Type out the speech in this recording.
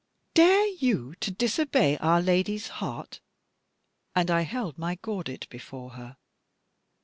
"Dare you to disobey Our Lady's heart?" And I held my gordit before her.